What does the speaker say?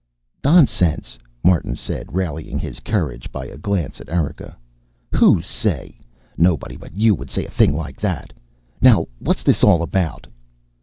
"Nonsense," Martin said, rallying his courage by a glance at Erika. "Who say? Nobody but you would say a thing like that. Now what's this all about?"